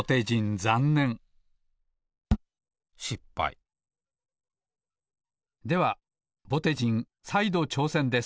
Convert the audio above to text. ざんねんではぼてじんさいどちょうせんです！